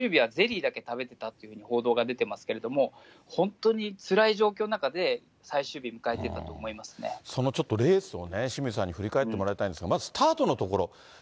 だから最終日はゼリーだけ食べてたというような報道が出てますけれども、本当につらい状況の中で、そのちょっとレースをね、清水さんに振り返ってもらいたいんですが、まずスタートのところ。